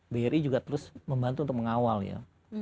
bri juga terus membantu untuk mengawal ya